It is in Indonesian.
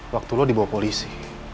waktu lo dibawa polisi